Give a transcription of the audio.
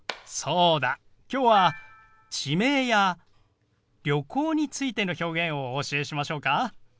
そうだきょうは地名や旅行についての表現をお教えしましょうか？